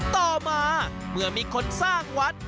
ต่อมาเมื่อมีคนสร้างวัด